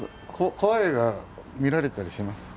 怖い映画見られたりします？